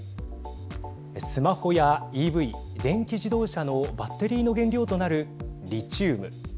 スマホやＥＶ＝電気自動車のバッテリーの原料となるリチウム。